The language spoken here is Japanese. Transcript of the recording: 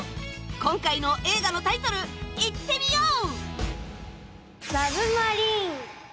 今回の映画のタイトル言ってみよう！